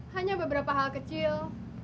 hanya beberapa hal kecil